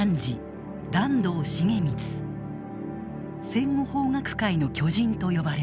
「戦後法学界の巨人」と呼ばれる。